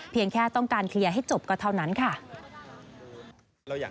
แค่ต้องการเคลียร์ให้จบก็เท่านั้นค่ะ